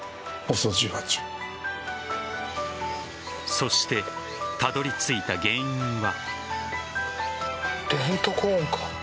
そして、たどり着いた原因は。